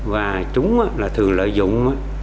và chúng thường lợi dụng